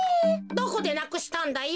どこでなくしたんだよ？